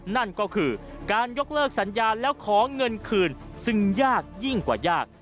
นั่นก็คือการยกเลิกสัญญาแล้วขอเงินคืนซึ่งยากยิ่งกว่ายาก